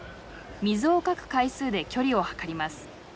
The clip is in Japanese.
水をかく回数で距離をはかります。